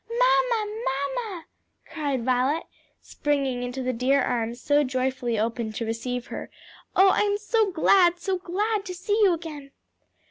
"Mamma, mamma!" cried Violet, springing into the dear arms so joyfully opened to receive her, "oh, I am so glad, so glad to see you again!"